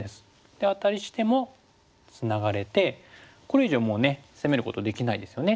でアタリしてもツナがれてこれ以上もうね攻めることできないですよね。